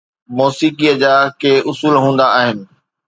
موسيقيءَ جا ڪي اصول هوندا آهن.